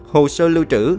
hồ sơ lưu trữ